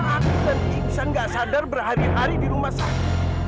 karena aku dan iksan nggak sadar berhari hari di rumah saku